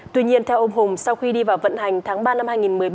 tuy nhiên theo ông hùng sau khi đi vào vận hành tháng ba năm hai nghìn một mươi bảy